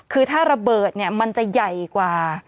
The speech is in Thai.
คือถ้าระเบิดเนี่ยมันจะใหญ่กว่า